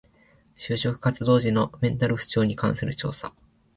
就職活動時のメンタル不調に関する調査